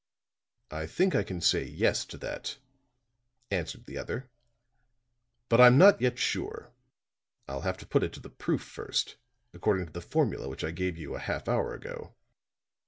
"I think I can say 'yes' to that," answered the other. "But I'm not yet sure. I'll have to put it to the proof first, according to the formula which I gave you a half hour ago.